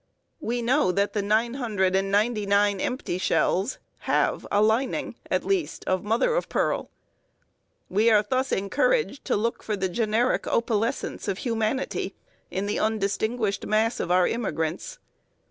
We know that the nine hundred and ninety nine empty shells have a lining, at least, of mother of pearl. We are thus encouraged to look for the generic opalescence of humanity in the undistinguished mass of our immigrants.